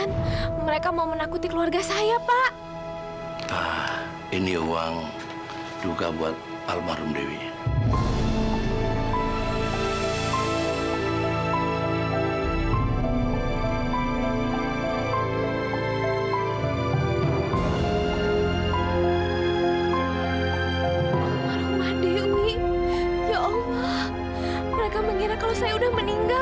semua juga merasa kehilangan dewi ku sayang